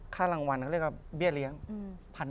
ค่ารางวัลเขาเรียกว่าเบี้ยเลี้ยง